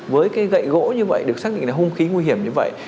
với cái gậy gỗ như vậy được xác định là hung khí nguy hiểm như vậy